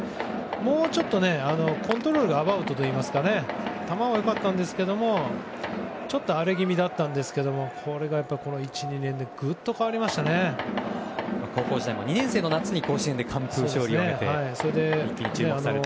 ちょっとコントロールがアバウトといいますか球は良かったんですけどちょっと荒れ気味だったのがこの１２年で高校時代の２年生の夏に甲子園で完封勝利を挙げて注目されて。